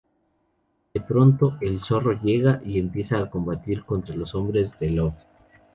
De pronto el Zorro llega y empieza a combatir contra los hombres de Love.